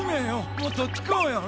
もっとちこうよれ。